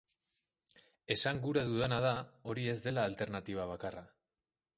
Esan gura dudana da, hori ez dela alternatiba bakarra.